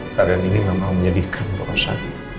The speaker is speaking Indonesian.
kadang kadang ini mama menyedihkan burosa